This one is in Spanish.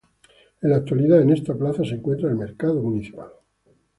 En la actualidad en esta plaza se encuentra el mercado municipal.